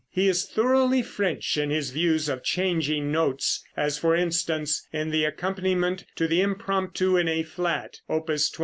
He is thoroughly French in his views of "changing notes," as, for instance, in the accompaniment to the impromptu in A flat, Opus 29.